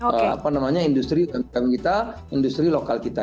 apa namanya industri umkm kita industri lokal kita